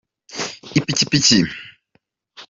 ipikipiki.